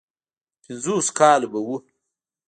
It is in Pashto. د پينځوسو کالو به و.